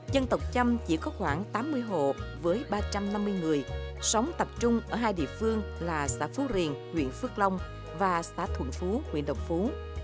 dân tộc chăm chỉ có khoảng tám mươi hộ với ba trăm năm mươi người sống tập trung ở hai địa phương là xã phú riềng huyện phước long và xã thuận phú huyện đồng phú